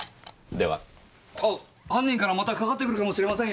あっ犯人からまたかかってくるかもしれませんよ？